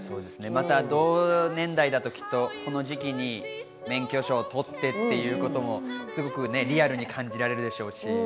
同年代だとこの時期に免許証をとってっていうこともリアルに感じられるでしょうし。